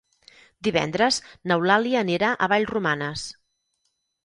Divendres n'Eulàlia anirà a Vallromanes.